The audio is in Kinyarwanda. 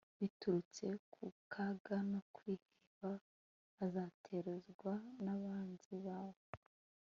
biturutse ku kaga no kwiheba azatezwa n'abanzi bawe